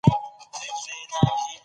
د نجونو تعلیم د سټیج ویره له منځه وړي.